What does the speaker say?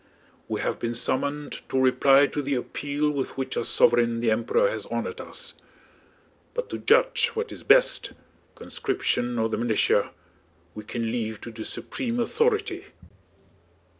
We have been summoned to reply to the appeal with which our sovereign the Emperor has honored us. But to judge what is best—conscription or the militia—we can leave to the supreme authority...."